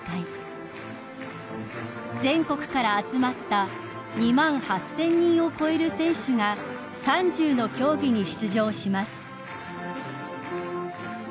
［全国から集まった２万８，０００人を超える選手が３０の競技に出場します］